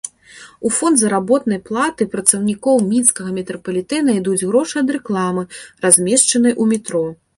У фонд заработнай платы працаўнікоў мінскага метрапалітэна ідуць грошы ад рэкламы, размешчанай ў метро.